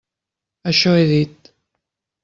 Això he dit.